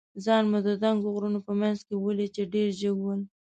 ځان مو د دنګو غرونو په منځ کې ولید، چې ډېر جګ ول.